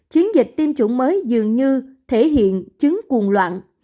chiến dịch tiêm chủng mới dường như thể hiện chứng cuồng loạn